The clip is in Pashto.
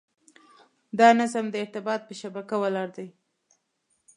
دا نظم د ارتباط په شبکه ولاړ دی.